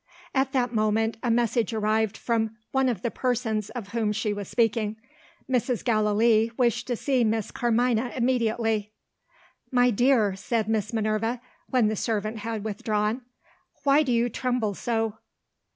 At that moment, a message arrived from one of the persons of whom she was speaking. Mrs. Gallilee wished to see Miss Carmina immediately. "My dear," said Miss Minerva, when the servant had withdrawn, "why do you tremble so?"